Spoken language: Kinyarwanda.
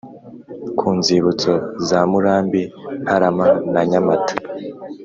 ku nzibutso za Murambi Ntarama na Nyamata